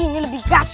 ini lebih gaswat